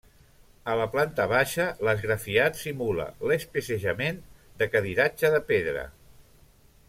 A la planta baixa l'esgrafiat simula l'especejament de cadiratge de pedra.